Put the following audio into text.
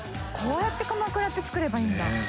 こうやってかまくらって作ればいいんだ。